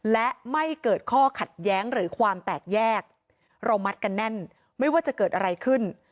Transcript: และไม่เกิดข้อขัดแย้งหรือความแตกแยกเรามัดกันแน่นไม่ว่าจะเกิดอะไรขึ้น